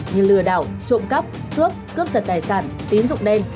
như lừa đảo trộm cắp cướp cướp sật tài sản tiến dụng đen